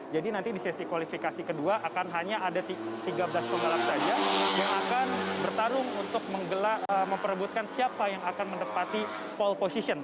jadi nanti di sesi kualifikasi kedua akan hanya ada tiga belas pembalap saja yang akan bertarung untuk memperebutkan siapa yang akan menerpati pole position